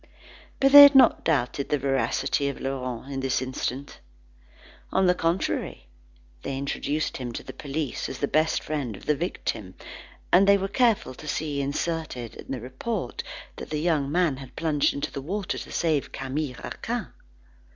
But they had not doubted the veracity of Laurent for an instant. On the contrary, they introduced him to the policeman as the best friend of the victim, and they were careful to see inserted in the report, that the young man had plunged into the water to save Camille Raquin.